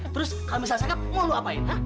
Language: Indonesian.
terus kalau misalnya cakep mau lo apain